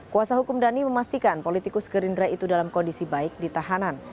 kuasa hukum dhani memastikan politikus gerindra itu dalam kondisi baik di tahanan